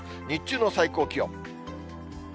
日中の最高気温。